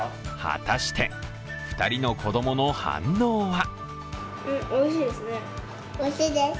果たして２人の子供の反応は？